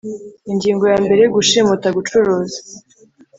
Ingingo ya mbere Gushimuta gucuruza